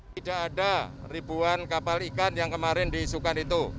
tidak ada ribuan kapal ikan yang kemarin diisukan itu